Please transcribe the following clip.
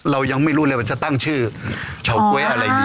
เรายังไม่รู้เลยว่าจะตั้งชื่อเฉาก๊วยอะไรอย่างนี้